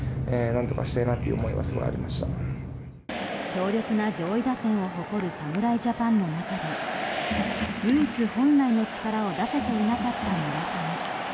強力な上位打線を誇る侍ジャパンの中で唯一、本来の力を出せていなかった村上。